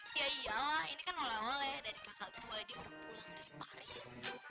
ya iyalah ini kan oleh oleh dari kakak gua di orang pulang dari paris